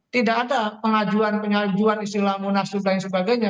tidak ada pengajuan pengajuan istilah munaslup dan sebagainya